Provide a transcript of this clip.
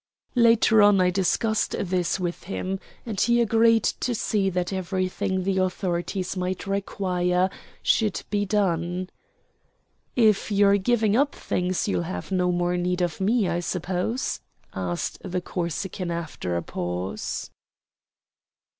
Later on I discussed this with him, and he agreed to see that everything the authorities might require should be done. "If you're giving up things, you'll have no more need of me, I suppose?" asked the Corsican after a pause.